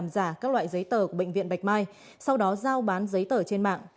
thắng đã đặt mua các loại giấy tờ của bệnh viện bạch mai sau đó giao bán giấy tờ trên mạng